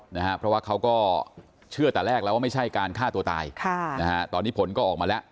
นะฮะเพราะว่าเขาก็เชื่อแต่แรกแล้วว่าไม่ใช่การฆ่าตัวตายค่ะนะฮะตอนนี้ผลก็ออกมาแล้ว